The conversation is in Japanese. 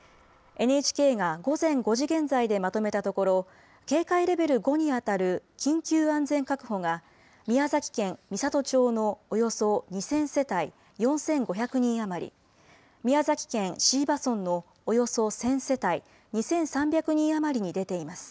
ＮＨＫが午前５時現在で、まとめたところ警戒レベル５に当たる緊急安全確保が宮崎県美郷町のおよそ２０００世帯４５００人余り宮崎県椎葉村のおよそ１０００世帯２３００人余りに出ています。